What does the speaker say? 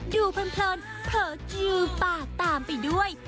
ดูเพลินเพลิกยือปากตามไปด้วย